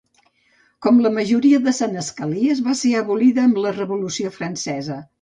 Com la majoria de senescalies va ser abolida amb la Revolució francesa.